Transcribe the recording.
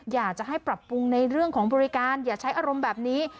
อยากจะให้ปรับปรุงในเรื่องของบริการอย่าใช้อารมณ์แบบนี้